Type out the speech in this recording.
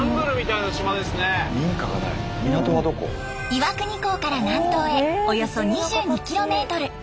岩国港から南東へおよそ２２キロメートル。